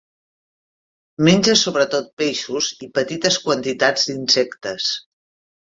Menja sobretot peixos i petites quantitats d'insectes.